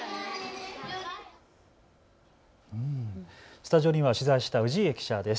スタジオには取材した氏家記者です。